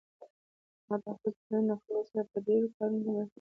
هغه د خپلې ټولنې د خلکو سره په ډیرو کارونو کې مرسته کوي